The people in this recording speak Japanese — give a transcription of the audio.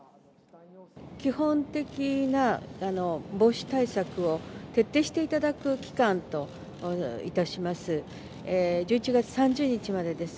基本的な防止対策を徹底していただく期間といたします。